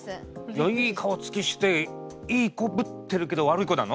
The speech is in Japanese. いい顔つきしていい子ぶってるけど悪い子なの？